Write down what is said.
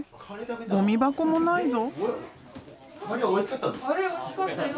ゴミ箱もないぞ。